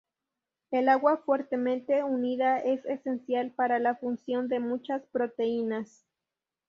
El agua fuertemente unida es esencial para la función de muchas proteínas.